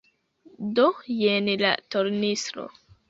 Do jen la tornistro.